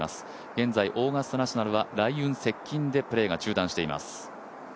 現在、オーガスタ・ナショナルは雷雲接近でプレーが中断しています。